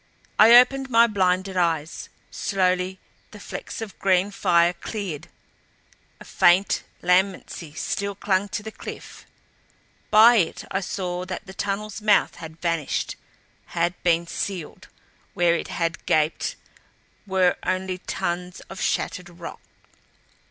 I opened my blinded eyes; slowly the flecks of green fire cleared. A faint lambency still clung to the cliff. By it I saw that the tunnel's mouth had vanished, had been sealed where it had gaped were only tons of shattered rock.